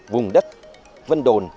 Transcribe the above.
vùng đất vân đồn